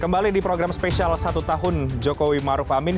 kembali di program spesial satu tahun jokowi maruf amin